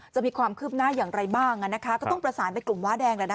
จะมีความคืบหน้าอย่างไรบ้างนะคะก็ต้องประสานไปกลุ่มว้าแดงแล้วนะ